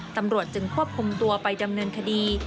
ตำรวจจึงควบคุมตัวไปดำเนินคดี